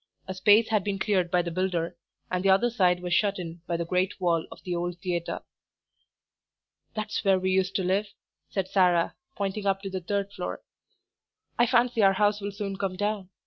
A space had been cleared by the builder, and the other side was shut in by the great wall of the old theatre. "That's where we used to live," said Sarah, pointing up to the third floor. "I fancy our house will soon come down.